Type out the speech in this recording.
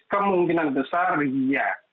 kemungkinan besar iya